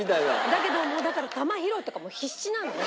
だけどもうだから球拾いとかも必死なのね